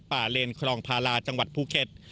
เลนครองพาราจังหวัดภูเก็ต